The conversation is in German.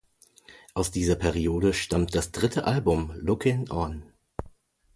Aus dieser Periode stammt das dritte Album "Looking On".